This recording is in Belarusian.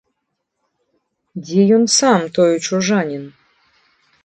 Дзе ён сам, той чужанін?